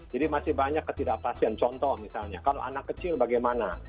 jadi masih banyak ketidakpastian contoh misalnya kalau anak kecil bagaimana